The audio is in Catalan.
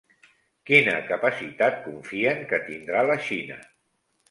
Quina capacitat confien que tindrà la Xina?